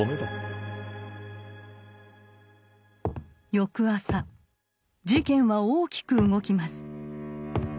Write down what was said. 翌朝事件は大きく動きます。